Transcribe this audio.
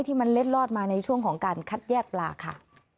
ที่มันเล็ดลอดมาในช่วงของการคัดแยกปลาค่ะ